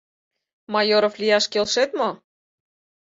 — Майоров лияш келшет мо?